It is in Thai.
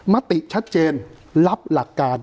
มติชัดเจนรับหลักการ